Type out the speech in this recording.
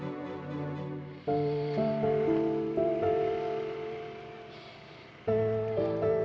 pak pasti bapak salah baca kan